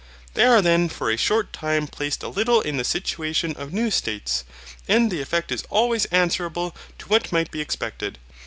They are then for a short time placed a little in the situation of new states, and the effect is always answerable to what might be expected.